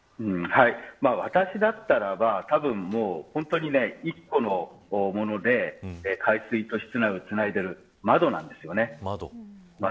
私だったらば一個のもので海水と室内をつないでいる窓なんですよね。